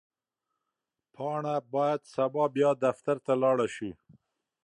پاڼه باید سبا بیا دفتر ته لاړه شي.